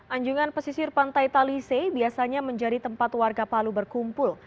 anjungan pesisir pantai talise biasanya menjadi tempat warga palu berkumpul